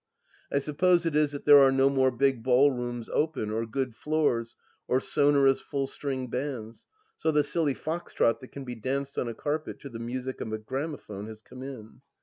I suppose it is that there are no more big ballrooms open, or good floors, or sonorous full stringed bands, so the silly Fox trot that can be danced on a carpet to the music of a gramophone has come in.